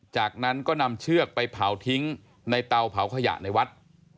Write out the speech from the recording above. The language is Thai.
จากนั้นก็นำเชือกไปเผาทิ้งในเตาเผาขยะในวัด